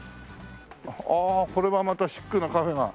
ああこれはまたシックなカフェが。